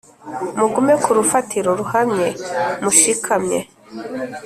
mugume ku rufatiro ruhamye mushikamye